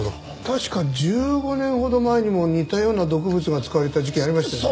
確か１５年ほど前にも似たような毒物が使われた事件ありましたよね？